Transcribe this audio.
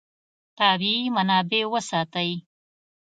طبیعي منابع وساتئ.